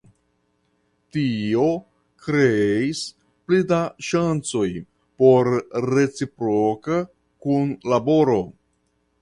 Tio kreis pli da ŝancoj por reciproka kunlaboro.